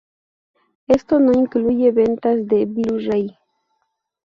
Esto no incluye ventas de Blu-ray.